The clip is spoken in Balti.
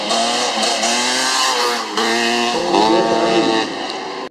کھونگ لو ژام اِنسُوک